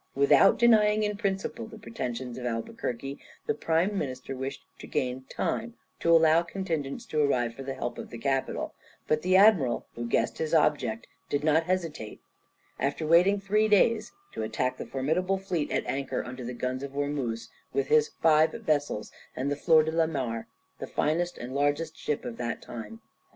Without denying in principle the pretensions of Albuquerque, the Prime Minister wished to gain time, to allow contingents to arrive for the help of the capital; but the admiral, who guessed his object, did not hesitate, after waiting three days, to attack the formidable fleet at anchor under the guns of Ormuz, with his five vessels and the Flor de la Mar, the finest and largest ship of that time.